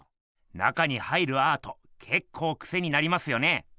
中に入るアートけっこうクセになりますよね？